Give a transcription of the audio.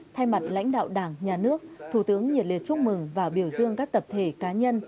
thay mặt lãnh đạo đảng nhà nước thủ tướng nhiệt liệt chúc mừng và biểu dương các tập thể cá nhân